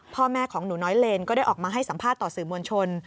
พ่อแม่ของหนูน้อยเลนก็ได้ออกมาให้สัมภาษณ์ต่อสื่อมวลชน